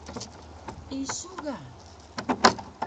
Isu ga?